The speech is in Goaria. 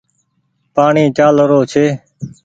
پآڻيٚ چآل رو ڇي۔